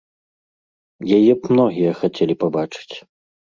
Яе б многія хацелі пабачыць.